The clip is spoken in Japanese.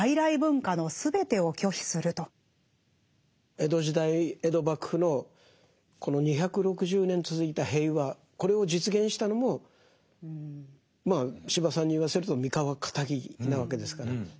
江戸時代江戸幕府のこの２６０年続いた平和これを実現したのも司馬さんに言わせると三河かたぎなわけですから。